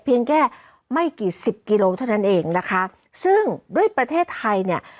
เพียงแค่ไม่กี่สิบกิโลเท่านั้นเองนะคะซึ่งด้วยประเทศไทยเนี่ย